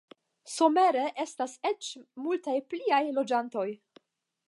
Somere estas eĉ multaj pliaj loĝantoj.